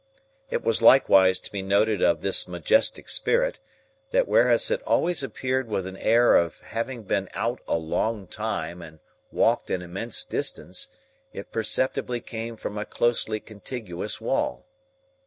It was likewise to be noted of this majestic spirit, that whereas it always appeared with an air of having been out a long time and walked an immense distance, it perceptibly came from a closely contiguous wall.